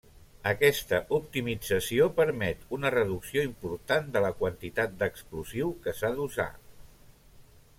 Aquesta optimització permet una reducció important de la quantitat d'explosiu que s'ha d'usar.